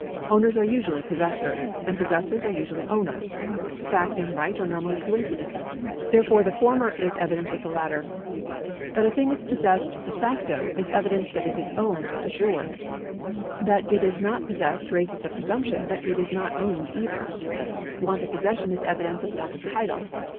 Owners are usually possessors, and possessors are usually owners. Fact and right arc normally coincident ; therefore the former is evidence of the latter. That a thing is possessed de facto is evidence that it is owned de jure. That it is not possessed raises a presumption that it is not owned either. Want of possession is evidence of want of title.